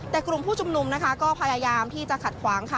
แต่กลุ่มผู้ชุมนุมนะคะก็พยายามที่จะขัดขวางค่ะ